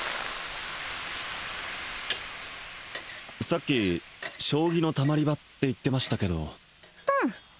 さっき将棋のたまり場って言ってましたけどうん